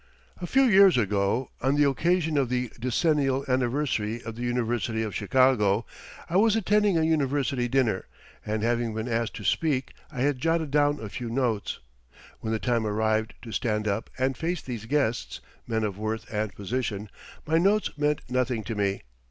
A few years ago, on the occasion of the decennial anniversary of the University of Chicago, I was attending a university dinner, and having been asked to speak I had jotted down a few notes. When the time arrived to stand up and face these guests men of worth and position my notes meant nothing to me.